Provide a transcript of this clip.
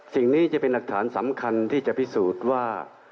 สิ่งนี้จะเป็นหลักฐานสำคัญที่จะพิสูจน์ว่า